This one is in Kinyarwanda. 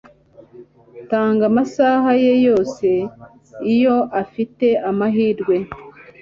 Tanga amasaha ye yose Iyo afite amahirwe